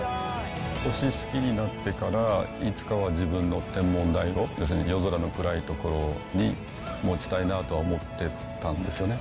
星好きになってから、いつかは自分の天文台を、要するに、夜空の暗い所に持ちたいなとは思ってたんですよね。